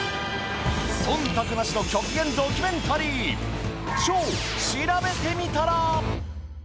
忖度なしの極限ドキュメンタリー「超しらべてみたら」。